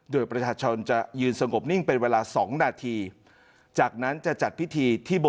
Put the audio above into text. โดยประชาชนจะยืนสงบนิ่งเป็นเวลา๒นาที